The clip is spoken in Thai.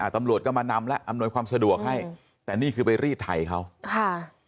ตำรวจก็มานำและอำนวยความสะดวกให้แต่นี่คือไปรีดไถเขาค่ะ